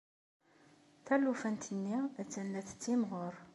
Talufant-nni attan la tettimɣur.